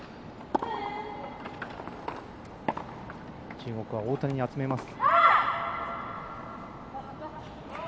中国は大谷に集めます。